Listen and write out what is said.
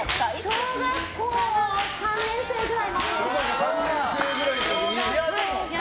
小学校３年生ぐらいまでです。